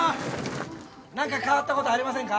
何か変わったことありませんか？